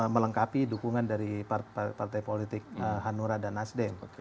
melengkapi dukungan dari partai partai politik hanura dan nasden